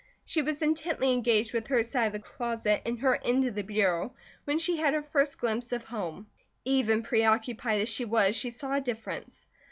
She was intently engaged with her side of the closet and her end of the bureau, when she had her first glimpse of home; even preoccupied as she was, she saw a difference.